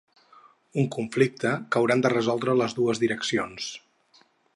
Un conflicte que hauran de resoldre les dues direccions.